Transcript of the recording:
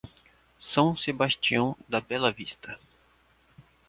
São Sebastião da Bela Vista